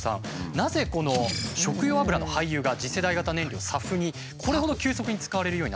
なぜこの食用油の廃油が次世代型燃料ＳＡＦにこれほど急速に使われるようになっているんでしょうか？